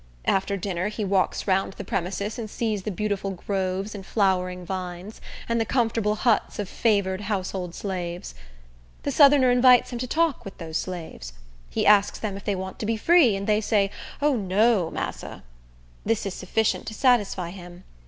After dinner he walks round the premises, and sees the beautiful groves and flowering vines, and the comfortable huts of favored household slaves. The southerner invites him to talk with those slaves. He asks them if they want to be free, and they say, "O, no, massa." This is sufficient to satisfy him.